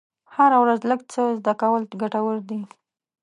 هره ورځ لږ څه زده کول ګټور دي.